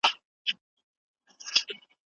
که موږ پوهه ولرو نو هېڅوک مو نه سي غولولی.